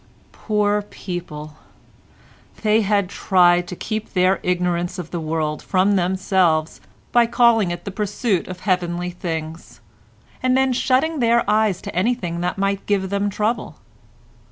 Poor people! They had tried to keep their ignorance of the world from themselves by calling it the pursuit of heavenly things, and then shutting their eyes to anything that might give them trouble.